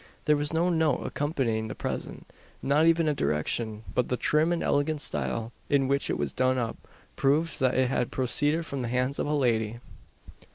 There was no note accompanying the present not even a direction but the trim and elegant style in which it was done up, proved that it had proceeded from the hands of a lady.